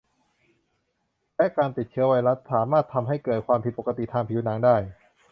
และการติดเชื้อไวรัสสามารถทำให้เกิดความผิดปกติทางผิวหนังได้